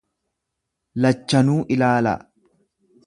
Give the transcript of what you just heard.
Lachanuu ilaalaa.